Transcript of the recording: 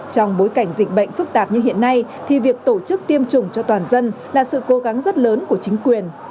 trong bối cảnh dịch bệnh phức tạp như hiện nay thì việc tổ chức tiêm chủng cho toàn dân là sự cố gắng rất lớn của chính quyền